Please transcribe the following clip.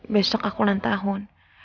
besok aku ulang tahun